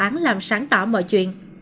tòa án làm sáng tỏ mọi chuyện